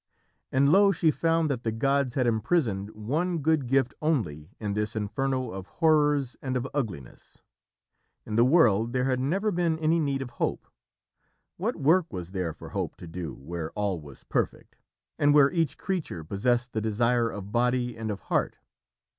And lo, she found that the gods had imprisoned one good gift only in this Inferno of horrors and of ugliness. In the world there had never been any need of Hope. What work was there for Hope to do where all was perfect, and where each creature possessed the desire of body and of heart?